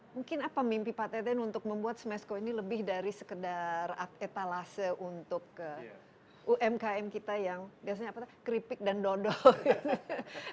mungkin apa mimpi pak teten untuk membuat smesco ini lebih dari sekedar etalase untuk umkm kita yang biasanya keripik dan dodol gitu